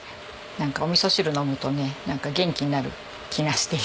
おみそ汁飲むとね元気になる気がしていたので。